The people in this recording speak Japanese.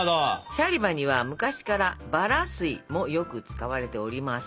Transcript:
シャリバには昔からバラ水もよく使われております。